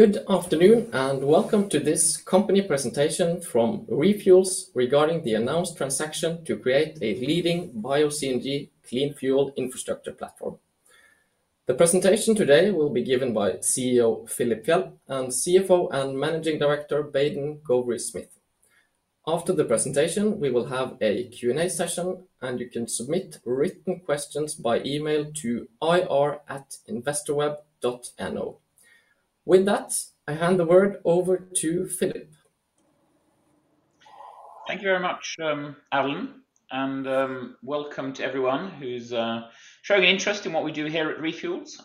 Good afternoon and welcome to this company presentation from ReFuels regarding the announced transaction to create a leading Bio-CNG clean fuel infrastructure platform. The presentation today will be given by CEO Philip Fjeld and CFO and Managing Director Baden Gowrie-Smith. After the presentation, we will have a Q&A session, and you can submit written questions by email to ir@investorweb.no. With that, I hand the word over to Philip. Thank you very much, Alan, and welcome to everyone who's showing interest in what we do here at ReFuels,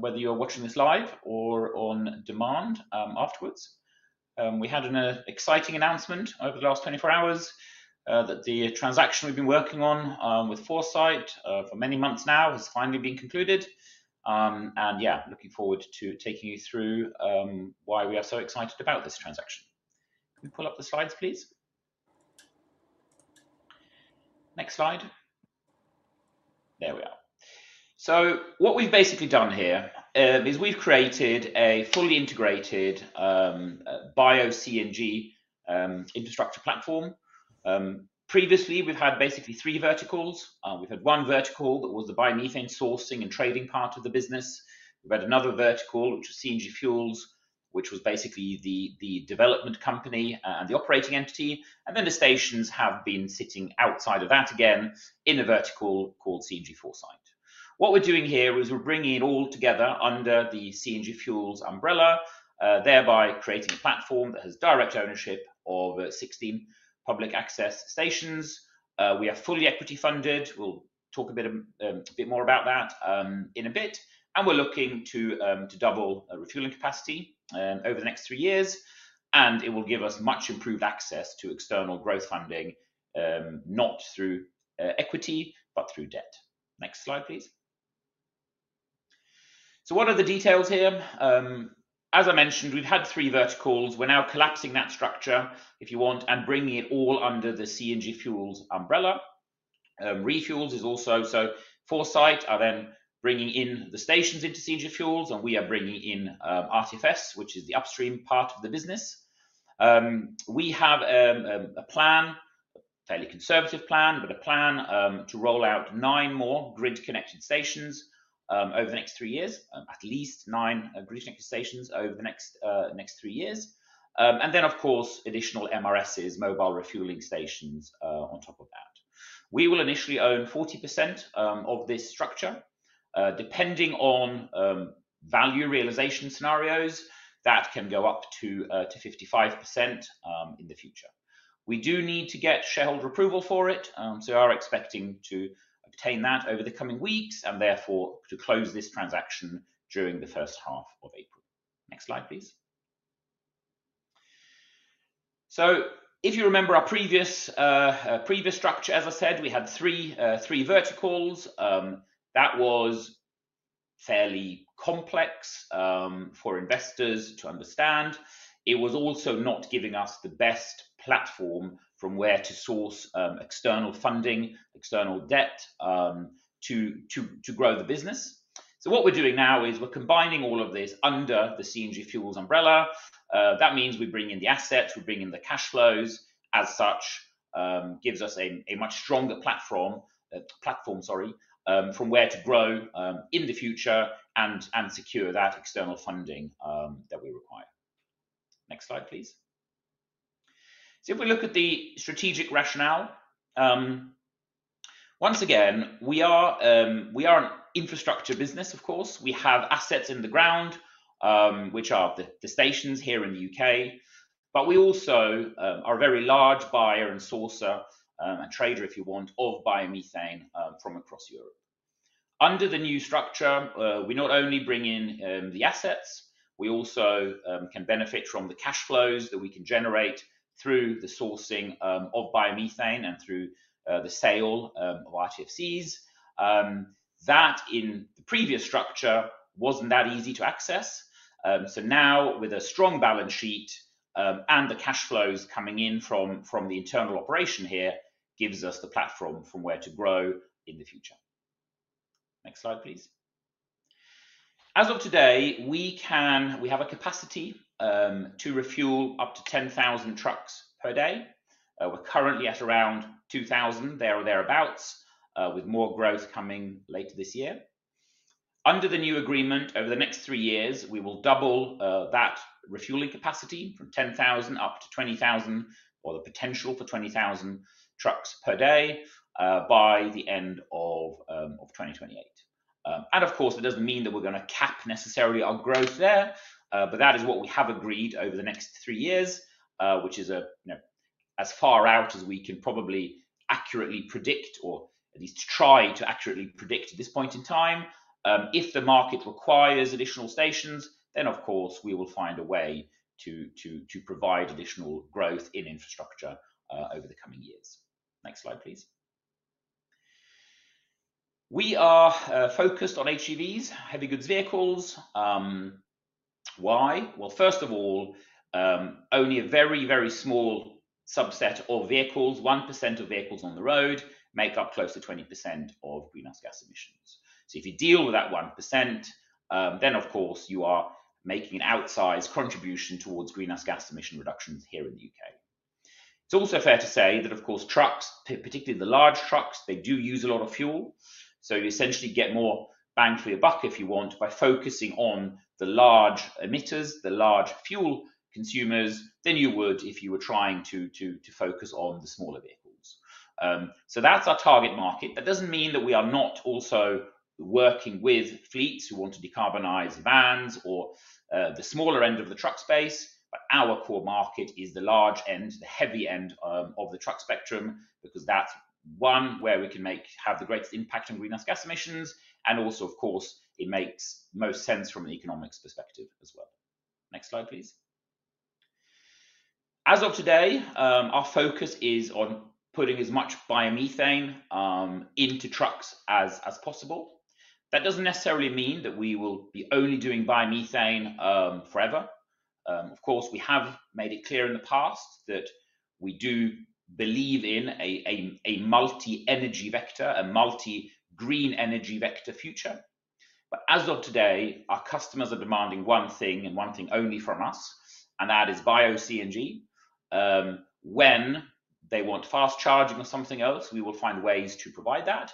whether you're watching this live or on demand afterwards. We had an exciting announcement over the last 24 hours that the transaction we've been working on with Foresight for many months now has finally been concluded. Yeah, looking forward to taking you through why we are so excited about this transaction. Can we pull up the slides, please? Next slide. There we are. What we've basically done here is we've created a fully integrated Bio-CNG infrastructure platform. Previously, we've had basically three verticals. We've had one vertical that was the biomethane sourcing and trading part of the business. We've had another vertical, which was CNG Fuels, which was basically the development company and the operating entity. The stations have been sitting outside of that again in a vertical called CNG Foresight. What we're doing here is we're bringing it all together under the CNG Fuels umbrella, thereby creating a platform that has direct ownership of 16 public access stations. We are fully equity funded. We'll talk a bit more about that in a bit. We're looking to double refueling capacity over the next three years. It will give us much improved access to external growth funding, not through equity, but through debt. Next slide, please. What are the details here? As I mentioned, we've had three verticals. We're now collapsing that structure, if you want, and bringing it all under the CNG Fuels umbrella. ReFuels is also, so Foresight are then bringing in the stations into CNG Fuels, and we are bringing in RTFS, which is the upstream part of the business. We have a plan, a fairly conservative plan, but a plan to roll out nine more grid-connected stations over the next three years, at least nine grid-connected stations over the next three years. Of course, additional MRSs, mobile refueling stations on top of that. We will initially own 40% of this structure. Depending on value realization scenarios, that can go up to 55% in the future. We do need to get shareholder approval for it. We are expecting to obtain that over the coming weeks and therefore to close this transaction during the first half of April. Next slide, please. If you remember our previous structure, as I said, we had three verticals. That was fairly complex for investors to understand. It was also not giving us the best platform from where to source external funding, external debt to grow the business. What we are doing now is we are combining all of this under the CNG Fuels umbrella. That means we bring in the assets, we bring in the cash flows. As such, it gives us a much stronger platform, sorry, from where to grow in the future and secure that external funding that we require. Next slide, please. If we look at the strategic rationale, once again, we are an infrastructure business, of course. We have assets in the ground, which are the stations here in the U.K. We also are a very large buyer and sourcer and trader, if you want, of biomethane from across Europe. Under the new structure, we not only bring in the assets, we also can benefit from the cash flows that we can generate through the sourcing of biomethane and through the sale of RTFCs. That in the previous structure was not that easy to access. Now, with a strong balance sheet and the cash flows coming in from the internal operation here, it gives us the platform from where to grow in the future. Next slide, please. As of today, we have a capacity to refuel up to 10,000 trucks per day. We are currently at around 2,000, there or thereabouts, with more growth coming later this year. Under the new agreement, over the next three years, we will double that refueling capacity from 10,000 up to 20,000, or the potential for 20,000 trucks per day by the end of 2028. Of course, it does not mean that we are going to cap necessarily our growth there, but that is what we have agreed over the next three years, which is as far out as we can probably accurately predict or at least try to accurately predict at this point in time. If the market requires additional stations, then of course, we will find a way to provide additional growth in infrastructure over the coming years. Next slide, please. We are focused on HGVs, heavy goods vehicles. Why? First of all, only a very, very small subset of vehicles, 1% of vehicles on the road, make up close to 20% of greenhouse gas emissions. If you deal with that 1%, then of course, you are making an outsized contribution towards greenhouse gas emission reductions here in the U.K. It's also fair to say that, of course, trucks, particularly the large trucks, they do use a lot of fuel. You essentially get more bang for your buck if you want by focusing on the large emitters, the large fuel consumers than you would if you were trying to focus on the smaller vehicles. That's our target market. That doesn't mean that we are not also working with fleets who want to decarbonize vans or the smaller end of the truck space. Our core market is the large end, the heavy end of the truck spectrum, because that's one where we can have the greatest impact on greenhouse gas emissions. Also, of course, it makes most sense from an economics perspective as well. Next slide, please. As of today, our focus is on putting as much biomethane into trucks as possible. That does not necessarily mean that we will be only doing biomethane forever. Of course, we have made it clear in the past that we do believe in a multi-energy vector, a multi-green energy vector future. As of today, our customers are demanding one thing and one thing only from us, and that is Bio-CNG. When they want fast charging or something else, we will find ways to provide that.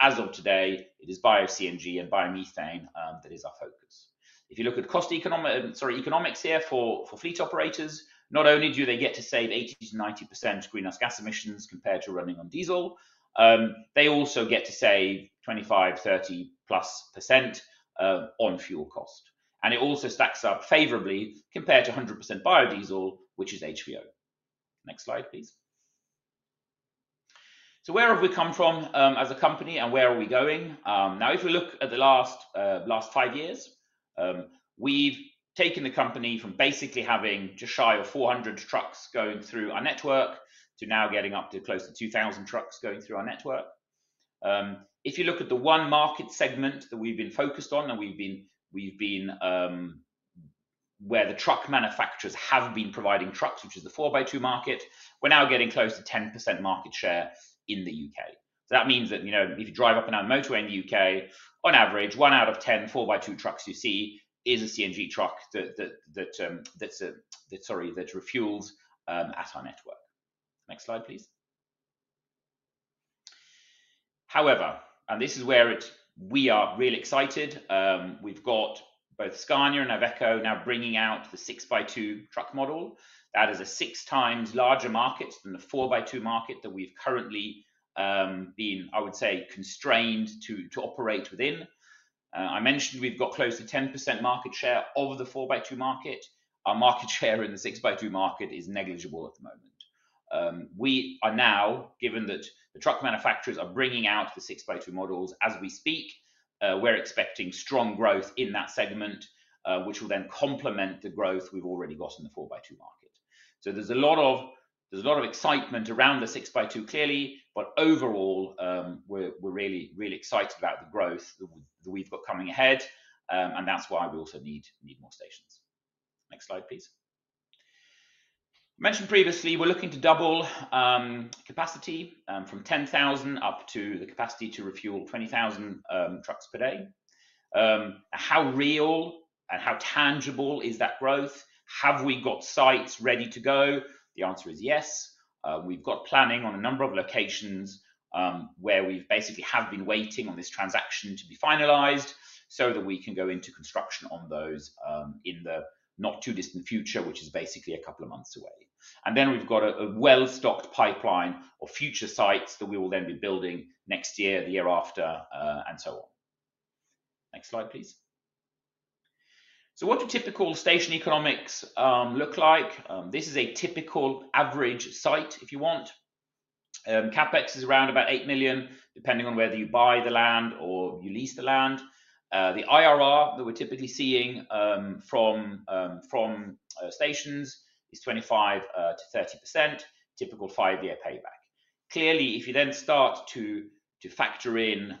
As of today, it is Bio-CNG and biomethane that is our focus. If you look at economics here for fleet operators, not only do they get to save 80%-90% greenhouse gas emissions compared to running on diesel, they also get to save 25%-30%+ on fuel cost. It also stacks up favorably compared to 100% biodiesel, which is HVO. Next slide, please. Where have we come from as a company and where are we going? If we look at the last five years, we've taken the company from basically having just shy of 400 trucks going through our network to now getting up to close to 2,000 trucks going through our network. If you look at the one market segment that we've been focused on and we've been where the truck manufacturers have been providing trucks, which is the 4x2 market, we're now getting close to 10% market share in the U.K. That means that if you drive up and down the motorway in the U.K., on average, 1/10, 4x2 trucks you see is a CNG truck that's refueled at our network. Next slide, please. However, and this is where we are really excited. We've got both Scania and IVECO now bringing out the 6x2 truck model. That is a six times larger market than the 4x2 market that we've currently been, I would say, constrained to operate within. I mentioned we've got close to 10% market share of the 4x2 market. Our market share in the 6x2 market is negligible at the moment. We are now, given that the truck manufacturers are bringing out the 6x2 models as we speak, we're expecting strong growth in that segment, which will then complement the growth we've already got in the 4x2 market. There is a lot of excitement around the 6x2 clearly, but overall, we're really excited about the growth that we've got coming ahead. That is why we also need more stations. Next slide, please. Mentioned previously, we're looking to double capacity from 10,000 up to the capacity to refuel 20,000 trucks per day. How real and how tangible is that growth? Have we got sites ready to go? The answer is yes. We've got planning on a number of locations where we basically have been waiting on this transaction to be finalized so that we can go into construction on those in the not too distant future, which is basically a couple of months away. We've got a well-stocked pipeline of future sites that we will then be building next year, the year after, and so on. Next slide, please. What do typical station economics look like? This is a typical average site, if you want. CapEx is around 8 million, depending on whether you buy the land or you lease the land. The IRR that we're typically seeing from stations is 25%-30%, typical five-year payback. Clearly, if you then start to factor in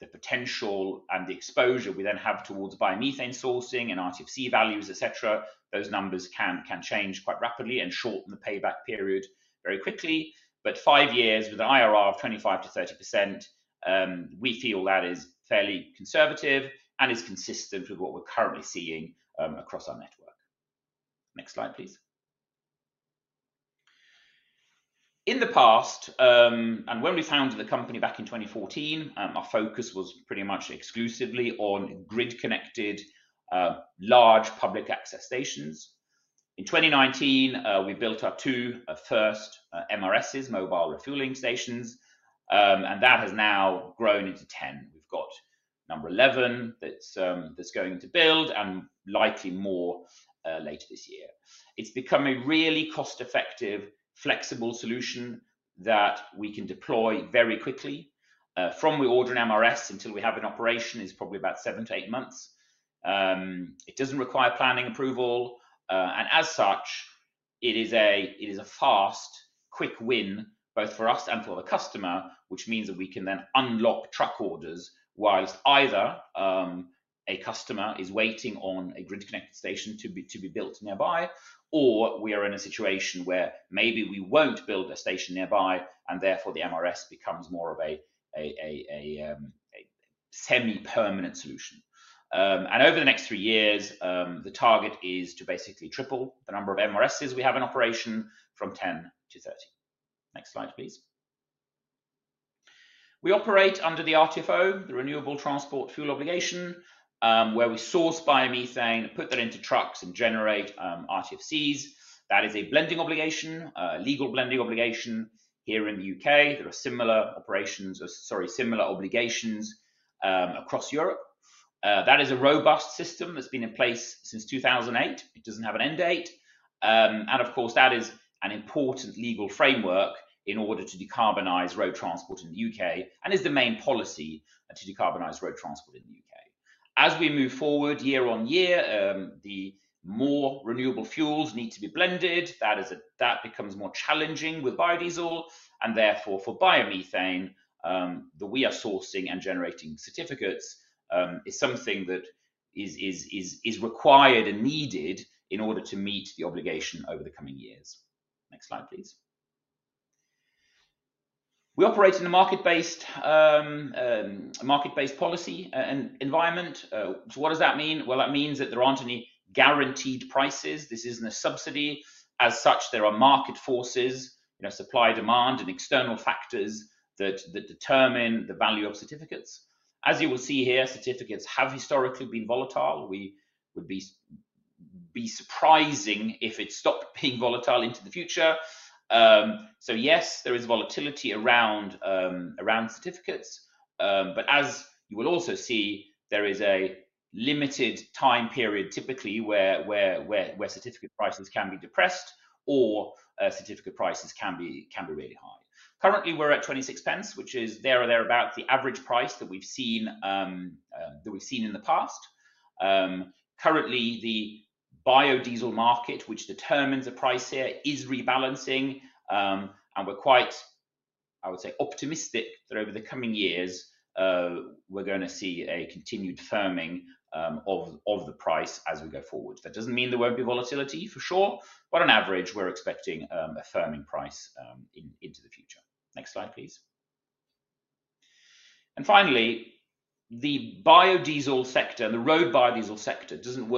the potential and the exposure we then have towards biomethane sourcing and RTFC values, etc., those numbers can change quite rapidly and shorten the payback period very quickly. Five years with an IRR of 25%-30%, we feel that is fairly conservative and is consistent with what we're currently seeing across our network. Next slide, please. In the past, and when we founded the company back in 2014, our focus was pretty much exclusively on grid-connected large public access stations. In 2019, we built our two first MRSs, mobile refueling stations, and that has now grown into 10. We've got number 11 that's going to build and likely more later this year. It's become a really cost-effective, flexible solution that we can deploy very quickly. From we order an MRS until we have an operation is probably about seven to eight months. It does not require planning approval. As such, it is a fast, quick win both for us and for the customer, which means that we can then unlock truck orders whilst either a customer is waiting on a grid-connected station to be built nearby, or we are in a situation where maybe we will not build a station nearby, and therefore the MRS becomes more of a semi-permanent solution. Over the next three years, the target is to basically triple the number of MRSs we have in operation from 10 to 30. Next slide, please. We operate under the RTFO, the Renewable Transport Fuel Obligation, where we source biomethane, put that into trucks, and generate RTFCs. That is a legal blending obligation here in the U.K. There are similar operations, sorry, similar obligations across Europe. That is a robust system that has been in place since 2008. It does not have an end date. Of course, that is an important legal framework in order to decarbonize road transport in the U.K. and is the main policy to decarbonize road transport in the U.K. As we move forward year-on-year, more renewable fuels need to be blended. That becomes more challenging with biodiesel. Therefore, for biomethane, the way we are sourcing and generating certificates is something that is required and needed in order to meet the obligation over the coming years. Next slide, please. We operate in a market-based policy environment. What does that mean? That means that there are not any guaranteed prices. This is not a subsidy. As such, there are market forces, supply-demand, and external factors that determine the value of certificates. As you will see here, certificates have historically been volatile. It would be surprising if it stopped being volatile into the future. Yes, there is volatility around certificates. As you will also see, there is a limited time period typically where certificate prices can be depressed or certificate prices can be really high. Currently, we are at 0.26, which is there or thereabout the average price that we have seen in the past. Currently, the biodiesel market, which determines the price here, is rebalancing. We are quite, I would say, optimistic that over the coming years, we are going to see a continued firming of the price as we go forward. That does not mean there will not be volatility for sure, but on average, we are expecting a firming price into the future. Next slide, please. Finally, the biodiesel sector, the road biodiesel sector, does not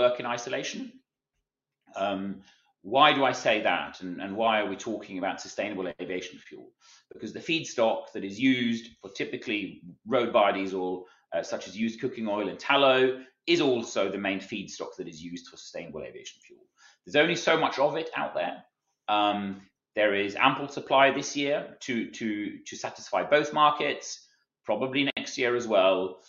work in isolation. Why do I say that? And why are we talking about sustainable aviation fuel? Because the feedstock that is used for typically road biodiesel, such as used cooking oil and tallow, is also the main feedstock that is used for sustainable aviation fuel. There is only so much of it out there. There is ample supply this year to satisfy both markets, probably next year as well.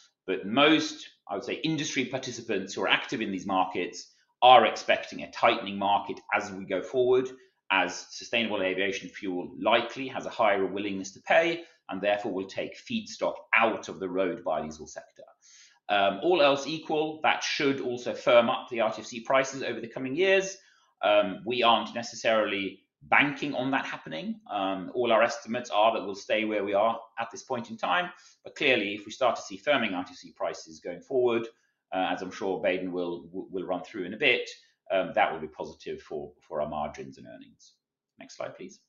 Most, I would say, industry participants who are active in these markets are expecting a tightening market as we go forward, as sustainable aviation fuel likely has a higher willingness to pay, and therefore will take feedstock out of the road biodiesel sector. All else equal, that should also firm up the RTFC prices over the coming years. We are not necessarily banking on that happening. All our estimates are that we will stay where we are at this point in time. Clearly, if we start to see firming RTFC prices going forward, as I am sure Baden will run through in a bit, that will be positive for our margins and earnings. Next slide, please.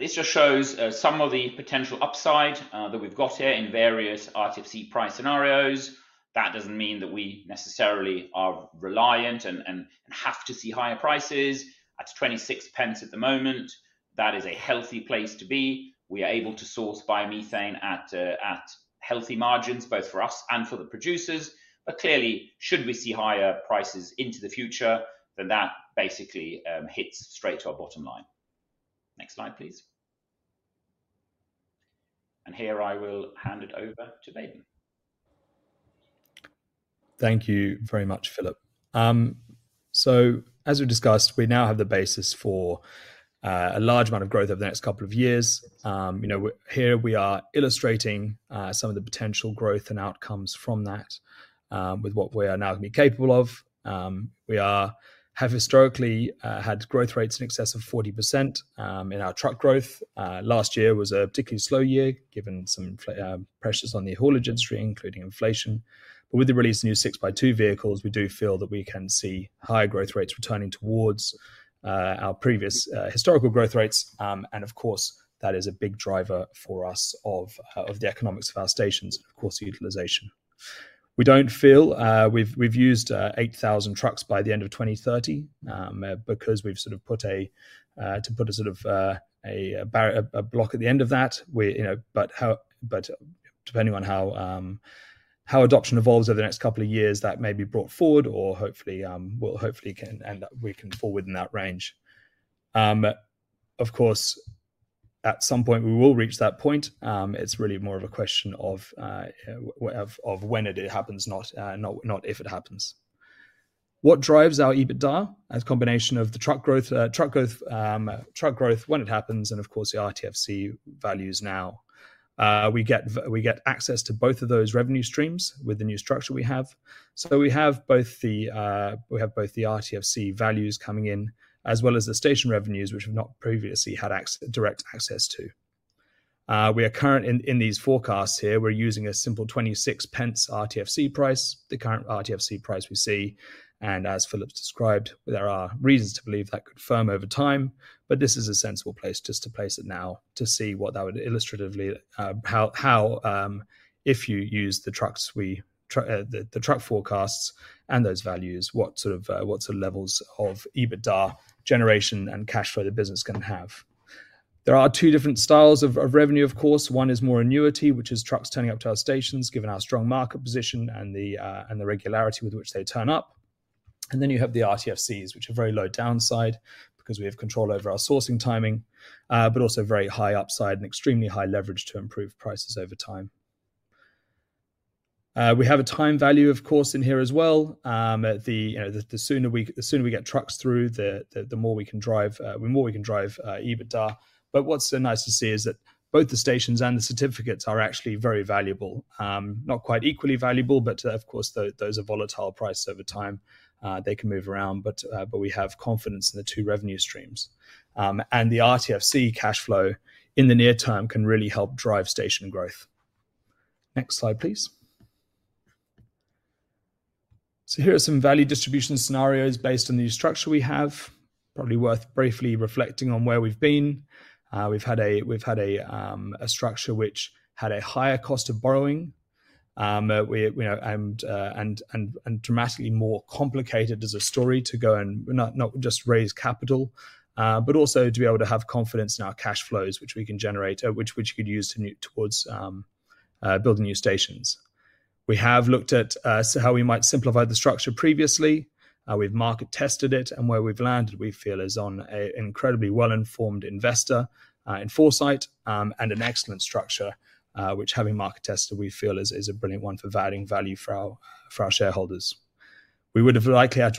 This just shows some of the potential upside that we have here in various RTFC price scenarios. That does not mean that we necessarily are reliant and have to see higher prices. At 0.26 at the moment, that is a healthy place to be. We are able to source biomethane at healthy margins, both for us and for the producers. Clearly, should we see higher prices into the future, then that basically hits straight to our bottom line. Next slide, please. Here I will hand it over to Baden. Thank you very much, Philip. As we discussed, we now have the basis for a large amount of growth over the next couple of years. Here we are illustrating some of the potential growth and outcomes from that with what we are now going to be capable of. We have historically had growth rates in excess of 40% in our truck growth. Last year was a particularly slow year given some pressures on the haulage industry, including inflation. With the release of new 6x2 vehicles, we do feel that we can see higher growth rates returning towards our previous historical growth rates. Of course, that is a big driver for us of the economics of our stations, of course, utilization. We do not feel we have used 8,000 trucks by the end of 2030 because we have sort of put a sort of a block at the end of that. Depending on how adoption evolves over the next couple of years, that may be brought forward or hopefully can end up we can fall within that range. Of course, at some point, we will reach that point. It's really more of a question of when it happens, not if it happens. What drives our EBITDA? A combination of the truck growth, truck growth when it happens, and of course, the RTFC values now. We get access to both of those revenue streams with the new structure we have. We have both the RTFC values coming in, as well as the station revenues, which have not previously had direct access to. We are current in these forecasts here. We're using a simple 0.26 RTFC price, the current RTFC price we see. As Philip's described, there are reasons to believe that could firm over time. This is a sensible place just to place it now to see what that would illustratively how, if you use the trucks, we the truck forecasts and those values, what sort of levels of EBITDA generation and cash flow the business can have. There are two different styles of revenue, of course. One is more annuity, which is trucks turning up to our stations, given our strong market position and the regularity with which they turn up. Then you have the RTFCs, which are very low downside because we have control over our sourcing timing, but also very high upside and extremely high leverage to improve prices over time. We have a time value, of course, in here as well. The sooner we get trucks through, the more we can drive EBITDA. What is nice to see is that both the stations and the certificates are actually very valuable. Not quite equally valuable, but of course, those are volatile prices over time. They can move around, but we have confidence in the two revenue streams. The RTFC cash flow in the near term can really help drive station growth. Next slide, please. Here are some value distribution scenarios based on the structure we have. Probably worth briefly reflecting on where we have been. We have had a structure which had a higher cost of borrowing and was dramatically more complicated as a story to go and not just raise capital, but also to be able to have confidence in our cash flows, which we can generate, which we could use towards building new stations. We have looked at how we might simplify the structure previously. We've market tested it, and where we've landed, we feel is on an incredibly well-informed investor in Foresight and an excellent structure, which having market tested, we feel is a brilliant one for valuing value for our shareholders. We would have likely had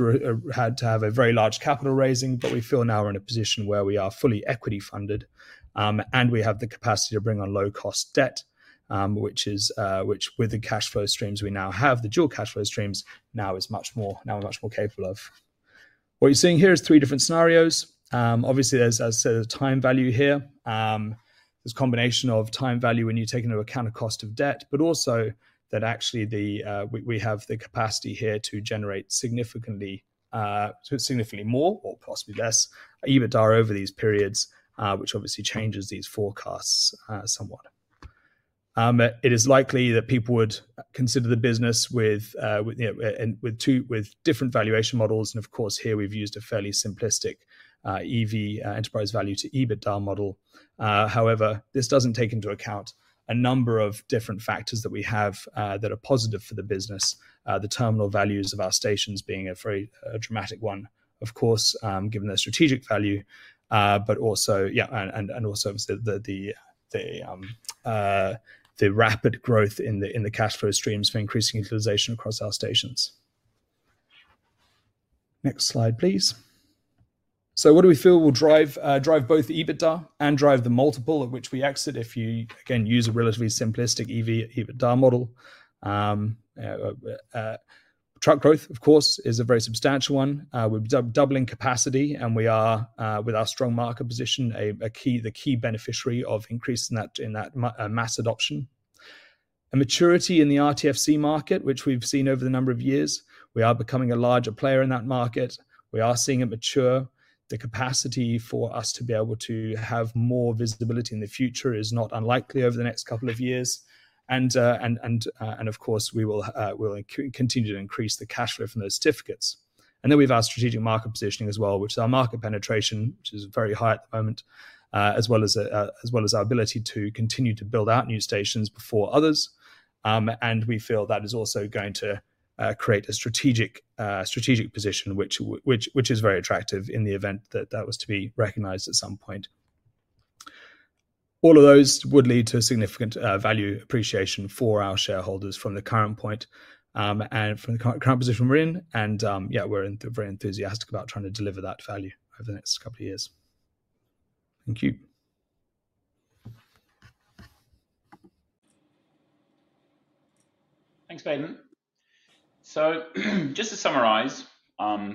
to have a very large capital raising, but we feel now we're in a position where we are fully equity funded, and we have the capacity to bring on low-cost debt, which with the cash flow streams we now have, the dual cash flow streams, now is much more capable of. What you're seeing here is three different scenarios. Obviously, there's, as I said, a time value here. There's a combination of time value when you take into account the cost of debt, but also that actually we have the capacity here to generate significantly more or possibly less EBITDA over these periods, which obviously changes these forecasts somewhat. It is likely that people would consider the business with different valuation models. Of course, here we've used a fairly simplistic EV, enterprise value to EBITDA model. However, this doesn't take into account a number of different factors that we have that are positive for the business, the terminal values of our stations being a very dramatic one, of course, given the strategic value, but also, yeah, and also the rapid growth in the cash flow streams for increasing utilization across our stations. Next slide, please. What do we feel will drive both the EBITDA and drive the multiple at which we exit if you again use a relatively simplistic EV/EBITDA model? Truck growth, of course, is a very substantial one. We are doubling capacity, and we are, with our strong market position, the key beneficiary of increasing that mass adoption. Maturity in the RTFC market, which we have seen over the number of years, we are becoming a larger player in that market. We are seeing it mature. The capacity for us to be able to have more visibility in the future is not unlikely over the next couple of years. Of course, we will continue to increase the cash flow from those certificates. We have our strategic market positioning as well, which is our market penetration, which is very high at the moment, as well as our ability to continue to build out new stations before others. We feel that is also going to create a strategic position, which is very attractive in the event that that was to be recognized at some point. All of those would lead to a significant value appreciation for our shareholders from the current point and from the current position we're in. Yeah, we're very enthusiastic about trying to deliver that value over the next couple of years. Thank you. Thanks, Baden. Just to summarize,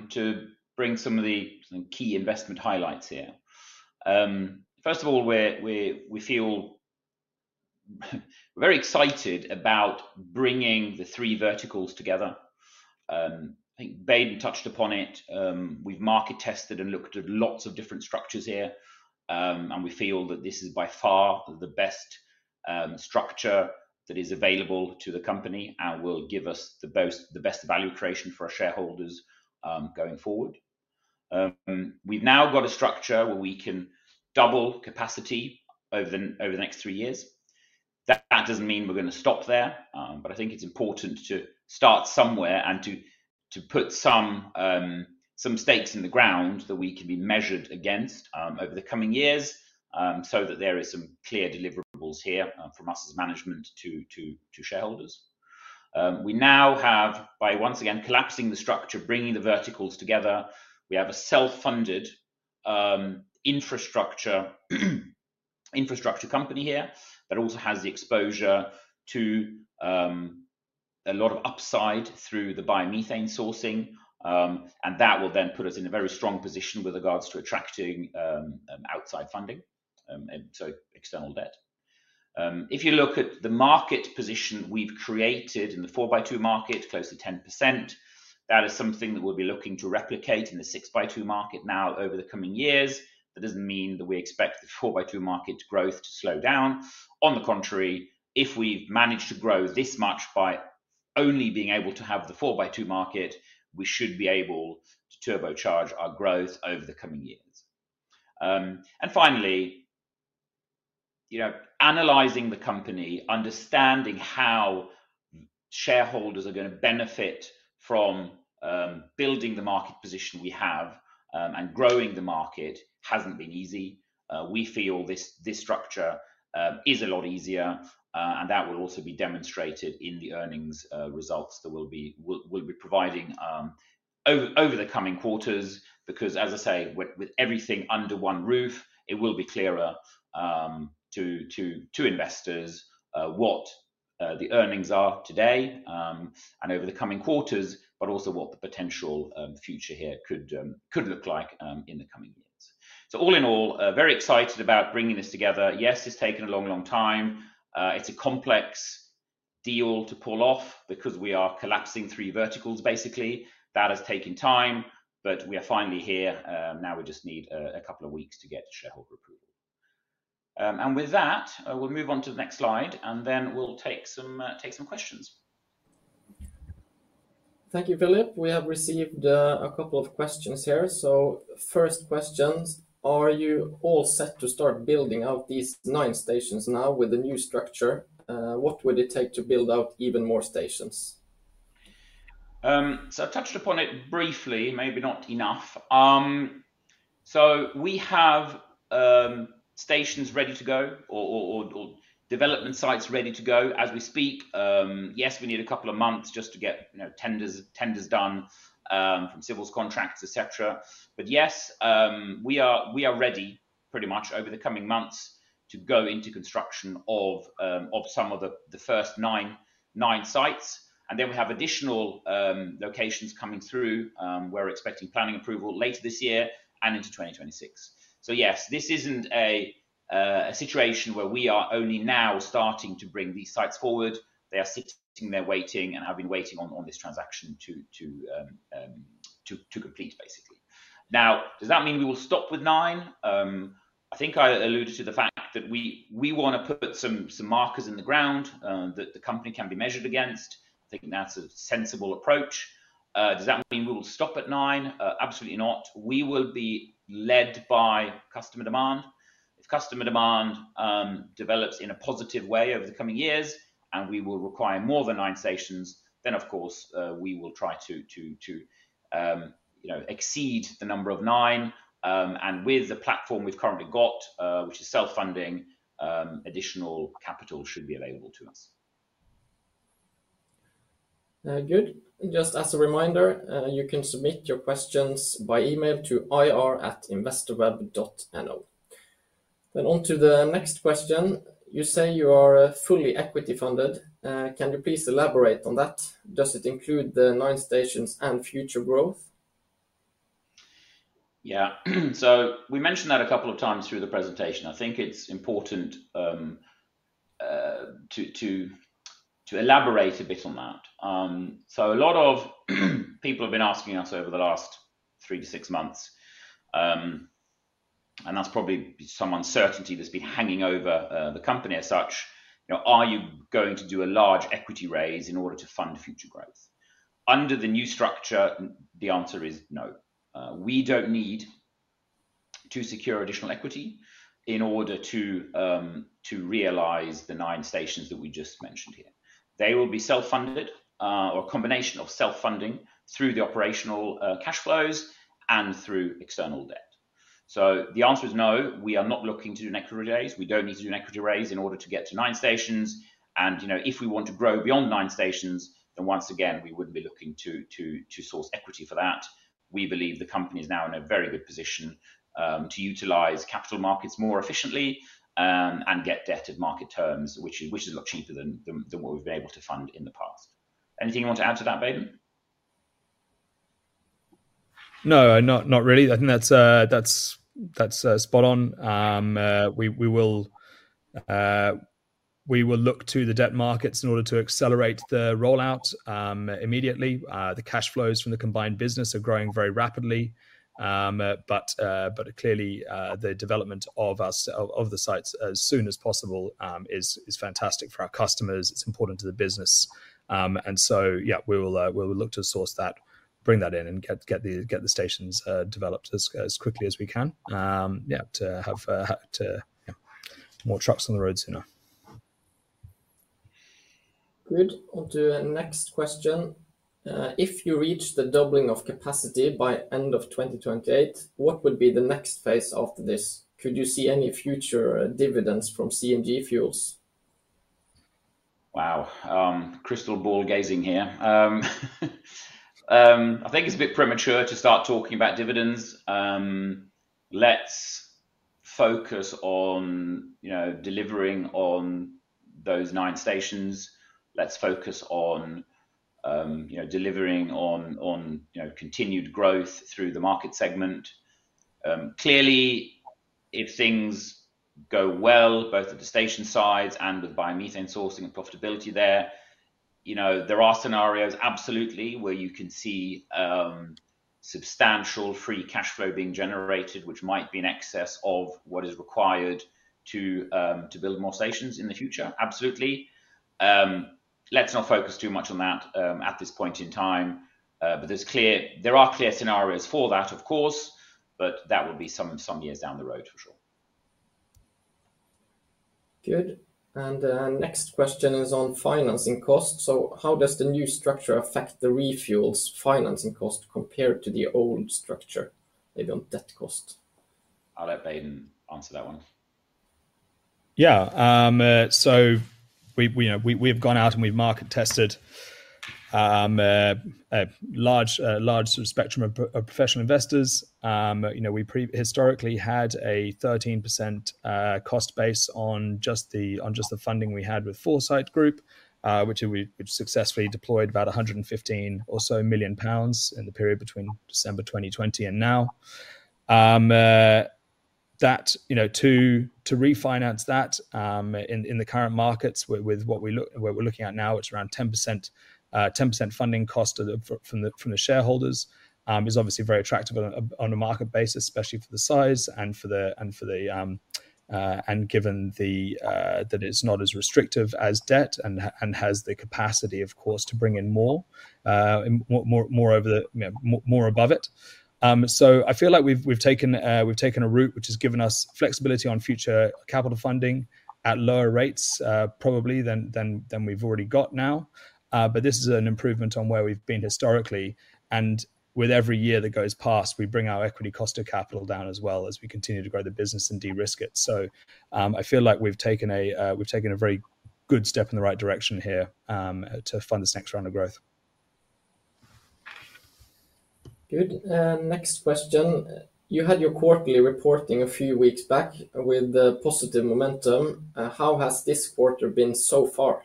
to bring some of the key investment highlights here. First of all, we feel very excited about bringing the three verticals together. I think Baden touched upon it. We've market tested and looked at lots of different structures here. We feel that this is by far the best structure that is available to the company and will give us the best value creation for our shareholders going forward. We've now got a structure where we can double capacity over the next three years. That does not mean we're going to stop there, but I think it's important to start somewhere and to put some stakes in the ground that we can be measured against over the coming years so that there are some clear deliverables here from us as management to shareholders. We now have, by once again collapsing the structure, bringing the verticals together, a self-funded infrastructure company here that also has the exposure to a lot of upside through the biomethane sourcing. That will then put us in a very strong position with regards to attracting outside funding, so external debt. If you look at the market position we have created in the 4x2 market, close to 10%, that is something that we will be looking to replicate in the 6x2 market now over the coming years. That does not mean that we expect the 4x2 market growth to slow down. On the contrary, if we have managed to grow this much by only being able to have the 4x2 market, we should be able to turbocharge our growth over the coming years. Finally, analyzing the company, understanding how shareholders are going to benefit from building the market position we have and growing the market has not been easy. We feel this structure is a lot easier, and that will also be demonstrated in the earnings results that we'll be providing over the coming quarters because, as I say, with everything under one roof, it will be clearer to investors what the earnings are today and over the coming quarters, but also what the potential future here could look like in the coming years. All in all, very excited about bringing this together. Yes, it's taken a long, long time. It's a complex deal to pull off because we are collapsing three verticals, basically. That has taken time, but we are finally here. We just need a couple of weeks to get shareholder approval. With that, we'll move on to the next slide, and then we'll take some questions. Thank you, Philip. We have received a couple of questions here. First question, are you all set to start building out these nine stations now with the new structure? What would it take to build out even more stations? I have touched upon it briefly, maybe not enough. We have stations ready to go or development sites ready to go as we speak. Yes, we need a couple of months just to get tenders done from civil contracts, etc. Yes, we are ready pretty much over the coming months to go into construction of some of the first nine sites. We have additional locations coming through. We are expecting planning approval later this year and into 2026. This is not a situation where we are only now starting to bring these sites forward. They are sitting there waiting and have been waiting on this transaction to complete, basically. Now, does that mean we will stop with nine? I think I alluded to the fact that we want to put some markers in the ground that the company can be measured against. I think that's a sensible approach. Does that mean we will stop at nine? Absolutely not. We will be led by customer demand. If customer demand develops in a positive way over the coming years and we will require more than nine stations, of course, we will try to exceed the number of nine. With the platform we've currently got, which is self-funding, additional capital should be available to us. Good. Just as a reminder, you can submit your questions by email to ir@investorweb.no. On to the next question. You say you are fully equity funded. Can you please elaborate on that? Does it include the nine stations and future growth? Yeah. We mentioned that a couple of times through the presentation. I think it's important to elaborate a bit on that. A lot of people have been asking us over the last three to six months, and that's probably some uncertainty that's been hanging over the company as such. Are you going to do a large equity raise in order to fund future growth? Under the new structure, the answer is no. We don't need to secure additional equity in order to realize the nine stations that we just mentioned here. They will be self-funded or a combination of self-funding through the operational cash flows and through external debt. The answer is no. We are not looking to do an equity raise. We don't need to do an equity raise in order to get to nine stations. If we want to grow beyond nine stations, then once again, we would not be looking to source equity for that. We believe the company is now in a very good position to utilize capital markets more efficiently and get debt at market terms, which is a lot cheaper than what we have been able to fund in the past. Anything you want to add to that, Baden? No, not really. I think that is spot on. We will look to the debt markets in order to accelerate the rollout immediately. The cash flows from the combined business are growing very rapidly. Clearly, the development of the sites as soon as possible is fantastic for our customers. It is important to the business. Yeah, we will look to source that, bring that in, and get the stations developed as quickly as we can, yeah, to have more trucks on the road sooner. Good. On to the next question. If you reach the doubling of capacity by end of 2028, what would be the next phase after this? Could you see any future dividends from CNG Fuels? Wow. Crystal ball gazing here. I think it's a bit premature to start talking about dividends. Let's focus on delivering on those nine stations. Let's focus on delivering on continued growth through the market segment. Clearly, if things go well, both at the station sides and with biomethane sourcing and profitability there, there are scenarios, absolutely, where you can see substantial free cash flow being generated, which might be in excess of what is required to build more stations in the future. Absolutely. Let's not focus too much on that at this point in time. There are clear scenarios for that, of course, but that will be some years down the road, for sure. Good. Next question is on financing costs. How does the new structure affect the ReFuels financing cost compared to the old structure, maybe on debt cost? I'll let Baden answer that one. Yeah. We have gone out and we've market tested a large spectrum of professional investors. We historically had a 13% cost base on just the funding we had with Foresight Group, which we successfully deployed about 115 million or so in the period between December 2020 and now. To refinance that in the current markets with what we're looking at now, it's around 10% funding cost from the shareholders. It's obviously very attractive on a market basis, especially for the size and for the and given that it's not as restrictive as debt and has the capacity, of course, to bring in more over the more above it. I feel like we've taken a route which has given us flexibility on future capital funding at lower rates probably than we've already got now. This is an improvement on where we've been historically. With every year that goes past, we bring our equity cost of capital down as well as we continue to grow the business and de-risk it. I feel like we've taken a very good step in the right direction here to fund this next round of growth. Good. Next question. You had your quarterly reporting a few weeks back with positive momentum. How has this quarter been so far?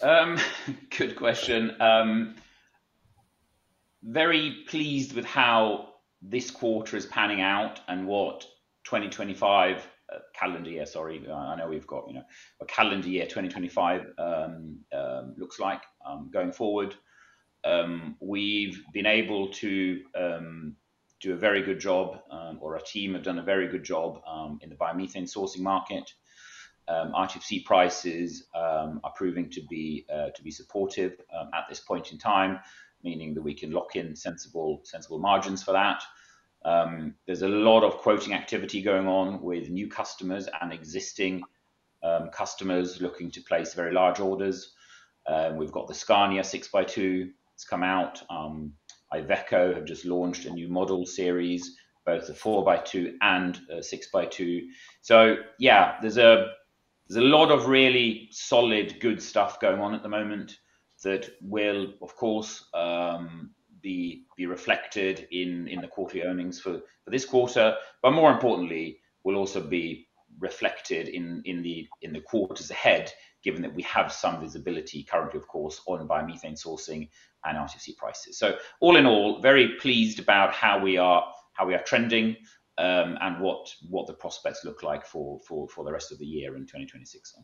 Good question. Very pleased with how this quarter is panning out and what 2025 calendar year, sorry, I know we've got a calendar year 2025 looks like going forward. We've been able to do a very good job, or our team have done a very good job in the biomethane sourcing market. RTFC prices are proving to be supportive at this point in time, meaning that we can lock in sensible margins for that. There's a lot of quoting activity going on with new customers and existing customers looking to place very large orders. We've got the Scania 6x2. It's come out. IVECO have just launched a new model series, both the 4x2 and 6x2. There is a lot of really solid good stuff going on at the moment that will, of course, be reflected in the quarterly earnings for this quarter. More importantly, will also be reflected in the quarters ahead, given that we have some visibility currently, of course, on biomethane sourcing and RTFC prices. All in all, very pleased about how we are trending and what the prospects look like for the rest of the year in 2026.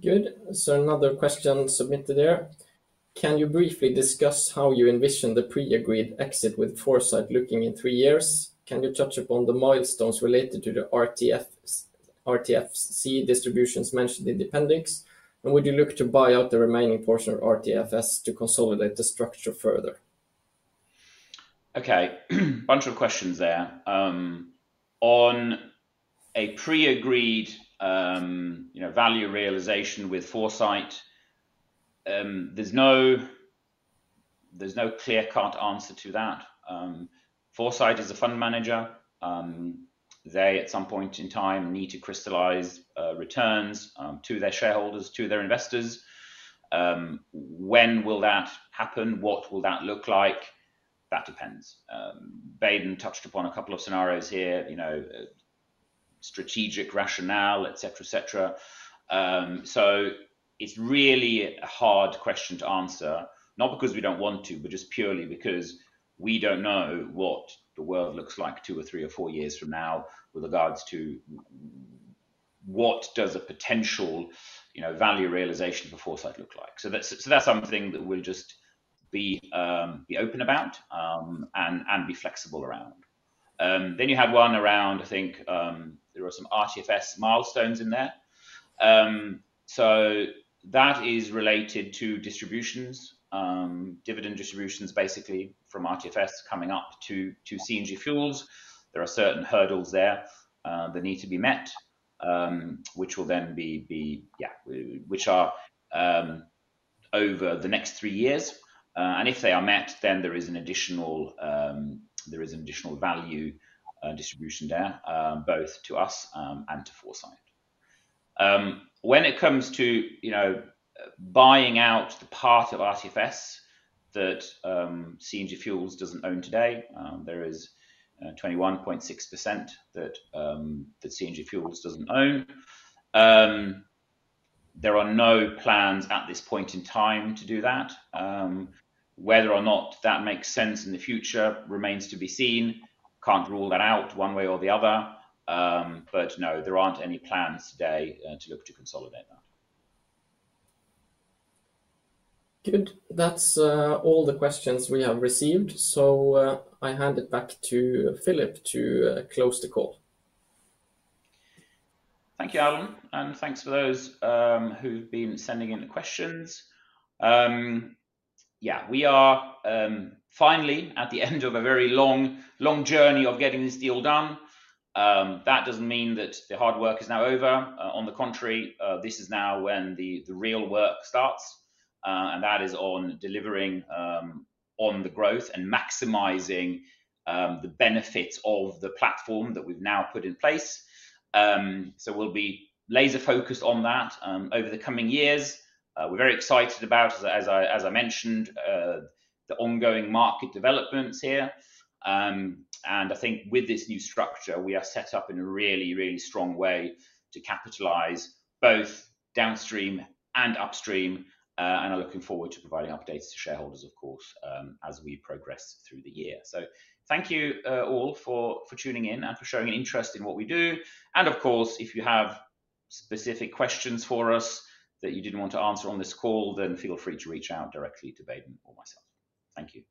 Good. Another question submitted there. Can you briefly discuss how you envision the pre-agreed exit with Foresight looking in three years? Can you touch upon the milestones related to the RTFC distributions mentioned in the appendix? Would you look to buy out the remaining portion of RTFS to consolidate the structure further? Okay. Bunch of questions there. On a pre-agreed value realization with Foresight, there is no clear-cut answer to that. Foresight is a fund manager. They, at some point in time, need to crystallize returns to their shareholders, to their investors. When will that happen? What will that look like? That depends. Baden touched upon a couple of scenarios here, strategic rationale, etc., etc. It is really a hard question to answer, not because we do not want to, but just purely because we do not know what the world looks like two or three or four years from now with regards to what does a potential value realization for Foresight look like. That is something that we will just be open about and be flexible around. You had one around, I think there were some RTFS milestones in there. That is related to distributions, dividend distributions, basically from RTFS coming up to CNG Fuels. There are certain hurdles there that need to be met, which will then be, yeah, which are over the next three years. If they are met, then there is an additional value distribution there, both to us and to Foresight. When it comes to buying out the part of RTFS that CNG Fuels does not own today, there is 21.6% that CNG Fuels does not own. There are no plans at this point in time to do that. Whether or not that makes sense in the future remains to be seen. Cannot rule that out one way or the other. No, there are not any plans today to look to consolidate that. Good. That is all the questions we have received. I hand it back to Philip to close the call. Thank you, Alan. Thanks for those who have been sending in the questions. Yeah, we are finally at the end of a very long journey of getting this deal done. That does not mean that the hard work is now over. On the contrary, this is now when the real work starts. That is on delivering on the growth and maximizing the benefits of the platform that we've now put in place. We will be laser-focused on that over the coming years. We are very excited about, as I mentioned, the ongoing market developments here. I think with this new structure, we are set up in a really, really strong way to capitalize both downstream and upstream. I am looking forward to providing updates to shareholders, of course, as we progress through the year. Thank you all for tuning in and for showing interest in what we do. Of course, if you have specific questions for us that you did not want to answer on this call, then feel free to reach out directly to Baden or myself. Thank you.